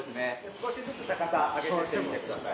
少しずつ高さ上げてってみてください。